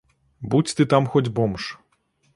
Будзь ты там хоць бомж.